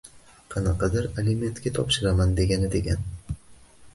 Qanaqadir alimentga topshiraman degani-degan